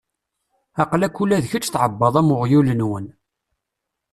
Aql-ak ula d kečč tɛebbaḍ am uɣyul-nwen.